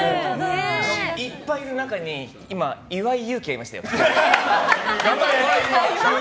いっぱいいる中に今、「岩井勇気」がいましたよ。